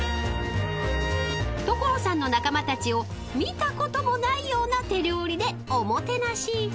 ［所さんの仲間たちを見たこともないような手料理でおもてなし］